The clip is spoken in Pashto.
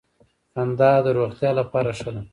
خندا د روغتیا لپاره ښه ده